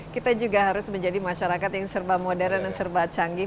kita juga harus menjadi masyarakat yang serba modern dan serba canggih